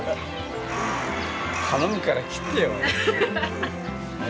頼むから切ってよ。